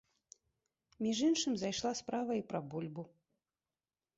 Між іншым зайшла справа і пра бульбу.